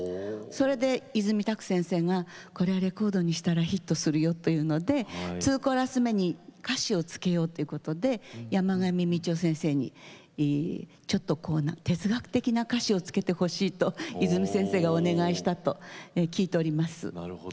それで、いずみたく先生がこれをレコードにしたらヒットするよっていうのでツーコーラス目に歌詞をつけようということで先生にちょっと哲学的な歌詞をつけてほしいといずみ先生がお願いしたと聞いております。